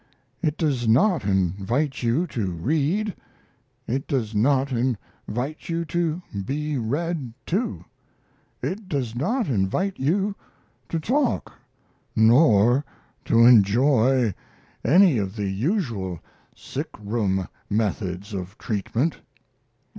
It does not invite you to read; it does not invite you to be read to; it does not invite you to talk, nor to enjoy any of the usual sick room methods of treatment.